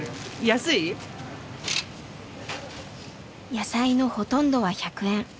野菜のほとんどは１００円。